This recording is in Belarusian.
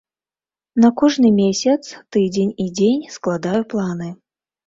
На кожны месяц, тыдзень і дзень складаю планы.